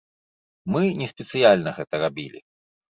Мы не спецыяльна гэта рабілі.